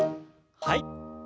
はい。